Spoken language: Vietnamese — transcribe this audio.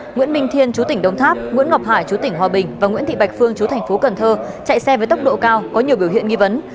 nguyễn minh thiên chú tỉnh đông tháp nguyễn ngọc hải chú tỉnh hòa bình và nguyễn thị bạch phương chú thành phố cần thơ chạy xe với tốc độ cao có nhiều biểu hiện nghi vấn